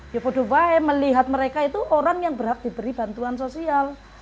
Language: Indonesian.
ya bodoh wahai melihat mereka itu orang yang berhak diberi bantuan sosial